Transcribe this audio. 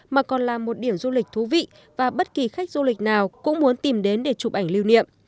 mà còn là một điểm du lịch thú vị và bất kỳ khách du lịch nào cũng muốn tìm đến để chụp ảnh lưu niệm